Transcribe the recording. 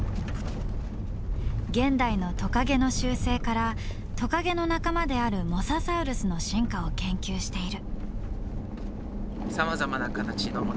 現代のトカゲの習性からトカゲの仲間であるモササウルスの進化を研究している。